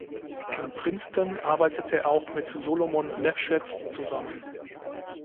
In Princeton arbeitete er auch mit Solomon Lefschetz zusammen.